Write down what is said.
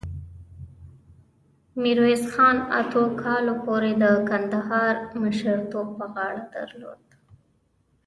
میرویس خان اتو کالو پورې د کندهار مشرتوب په غاړه درلود.